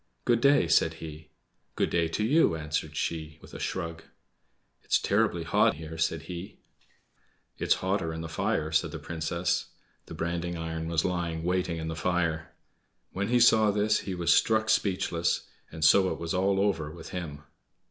"Good day!" said he. "Good day to you!" answered she, with a shrug. "It's terribly hot here," said he. "It's hotter in the fire," said the Princess. The branding iron was lying waiting in the fire. When he saw this he was struck speechless, and so it was all over with him.